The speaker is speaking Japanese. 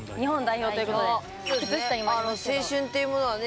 青春っていうものはね